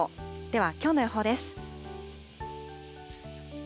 ではきょうの予報です。